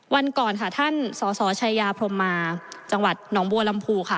วันก่อนค่ะท่านสสชัยยาพรมมาจังหวัดหนองบัวลำพูค่ะ